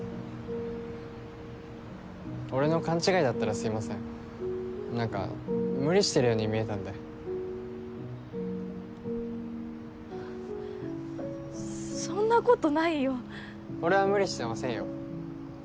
俺の勘違いだったらすいません何か無理してるように見えたんでそんなことないよ俺は無理してませんよ